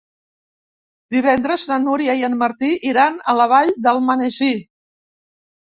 Divendres na Núria i en Martí iran a la Vall d'Almonesir.